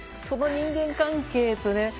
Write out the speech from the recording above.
その人間関係とね